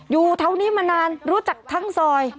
อยู่แถวนี้มานานรู้จักทั้งซอย